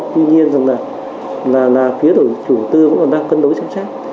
tuy nhiên là phía chủ tư cũng đang cân đối chăm sát